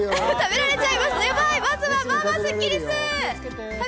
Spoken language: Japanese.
まずは、まあまあスッキりす。